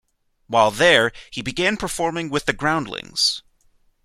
While there, he began performing with The Groundlings.